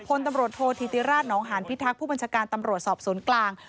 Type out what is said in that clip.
พลตำรวจโทษธิติราชนองหานพิทักษ์ผู้บัญชาการตำรวจสอบสวนกลาง